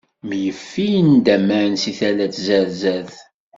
Myeffin-d aman si tala n tzerzert.